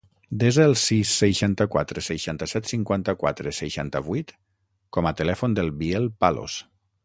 Desa el sis, seixanta-quatre, seixanta-set, cinquanta-quatre, seixanta-vuit com a telèfon del Biel Palos.